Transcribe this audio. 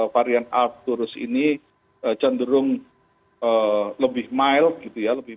varian arcturus ini cenderung lebih mild gitu ya